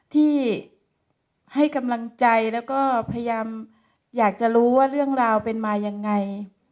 ที่ให้กำลังใจแล้วก็พยายามอยากจะรู้ว่าเรื่องราวเป็นมายังไง